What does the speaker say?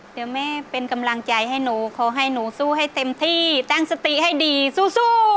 เดี๋ยวแม่เป็นกำลังใจให้หนูขอให้หนูสู้ให้เต็มที่ตั้งสติให้ดีสู้